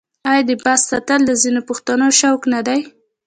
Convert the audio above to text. آیا د باز ساتل د ځینو پښتنو شوق نه دی؟